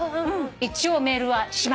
一応メールはしました。